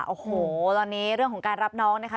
โอ้โหตอนนี้เรื่องของการรับน้องนะคะ